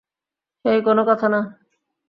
হেই, কোন কথা না!